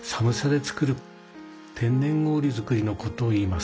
氷作りのことをいいます。